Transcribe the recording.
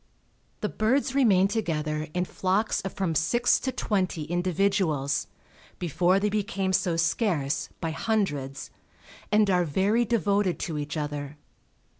The birds remain together in flocks of from six to twenty individuals (before they became so scarce, by hundreds), and are very devoted to each other.